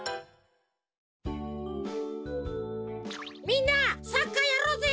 みんなサッカーやろうぜ。